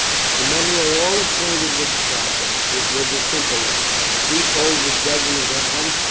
The men were all acquainted with the process, which was a simple one. A deep hole was dug in the ground.